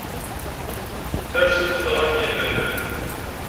Tersemt-d ɣef yilel.